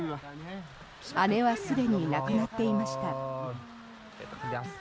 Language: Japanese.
姉はすでに亡くなっていました。